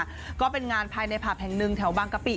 ก็มีการกอดวันงานภายในภาพแห่งหนึ่งแถวบางกะปิ